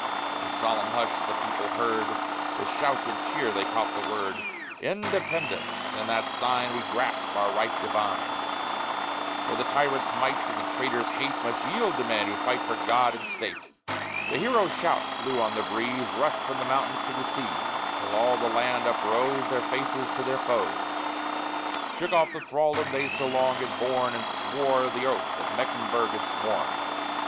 In solemn hush the people heard; With shout and cheer they caught the word: Independence! In that sign We grasp our right divine; For the tyrant's might and the traitor's hate Must yield to men who fight for God and State! The hero shout flew on the breeze; Rushed from the mountains to the seas; Till all the land uprose, Their faces to their foes, Shook off the thraldom they so long had borne, And swore the oath that Mecklenburg had sworn!